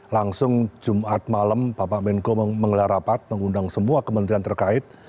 langsung jumat malam bapak menko mengelar rapat mengundang semua kementerian terkait